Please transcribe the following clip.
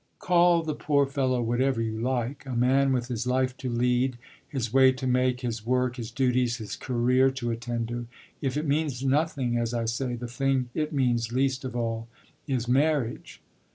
"Call the poor fellow whatever you like: a man with his life to lead, his way to make, his work, his duties, his career to attend to. If it means nothing, as I say, the thing it means least of all is marriage."